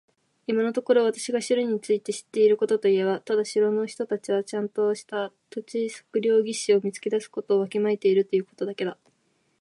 今のところ私が城について知っていることといえば、ただ城の人たちはちゃんとした土地測量技師を見つけ出すことをわきまえているということだけだ。